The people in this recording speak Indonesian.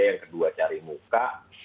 yang kedua cari muka